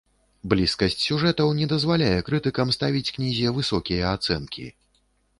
Блізкасць сюжэтаў не дазваляе крытыкам ставіць кнізе высокія ацэнкі.